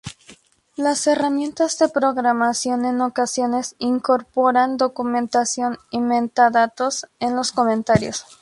Las herramientas de programación en ocasiones incorporan documentación y metadatos en los comentarios.